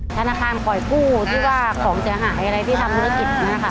ธนาคารข่อยกู้ที่ว่าของเสียหายอะไรที่ทำธุรกิจนะคะ